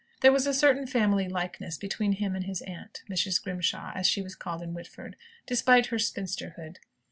There was a certain family likeness between him and his aunt, Mrs. Grimshaw, as she was called in Whitford, despite her spinsterhood.